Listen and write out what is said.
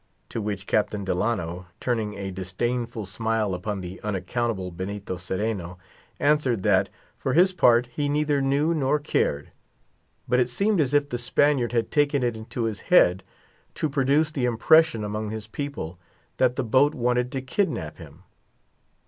To which, Captain Delano, turning a disdainful smile upon the unaccountable Spaniard, answered that, for his part, he neither knew nor cared; but it seemed as if Don Benito had taken it into his head to produce the impression among his people that the boat wanted to kidnap him.